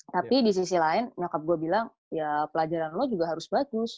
tapi di sisi lain gue bilang ya pelajaran lo juga harus bagus